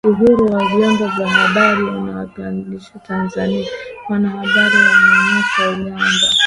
Uhuru wa vyombo vya habari unakandamizwa Tanzania Wanahabari wanyanyaswa Uganda